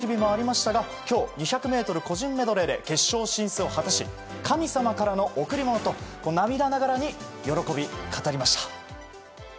スランプもあり苦しんだ日々もありましたが今日、２００ｍ個人メドレーで決勝進出を果たし神様からの贈り物と涙ながらに喜び語りました。